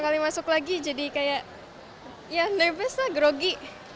kali masuk lagi jadi kayak ya nevis lah grogi